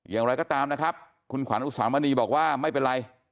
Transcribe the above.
อย่างไรก็ตามนะครับคุณขวัญอุสามณีบอกว่าไม่เป็นไร